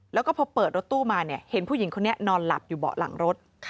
แล้วก็พอเปิดรถตู้มาเนี่ยเห็นผู้หญิงคนนี้นอนหลับอยู่เบาะหลังรถ